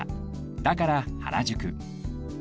だから原宿